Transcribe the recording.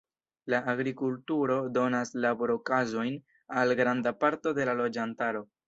La agrikulturo donas labor-okazojn al granda parto de la loĝantaro.